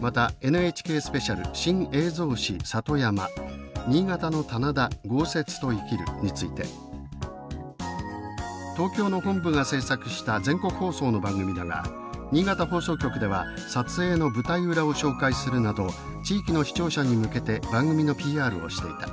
またＮＨＫスペシャル新・映像詩里山「新潟の棚田豪雪と生きる」について「東京の本部が制作した全国放送の番組だが新潟放送局では撮影の舞台裏を紹介するなど地域の視聴者に向けて番組のＰＲをしていた。